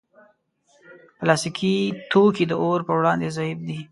پلاستيکي توکي د اور پر وړاندې ضعیف دي.